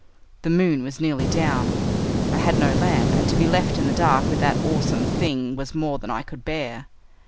The moon was nearly down, I had no lamp, and to be left in the dark with that awesome thing was more than I could bear.